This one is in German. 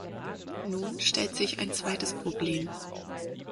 Nun stellt sich ein zweites Problem.